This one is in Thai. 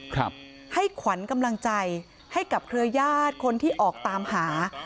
ครับให้ขวัญกำลังใจให้กับเครือญาติคนที่ออกตามหา